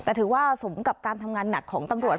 แต่ถือว่าสมกับการทำงานหนักของตำรวจ